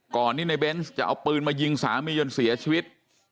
ก่อนที่ในเบนส์จะเอาปืนมายิงสามีจนเสียชีวิต